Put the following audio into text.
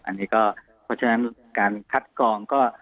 อันนี้ก็เพราะฉะนั้นการคัดกองก็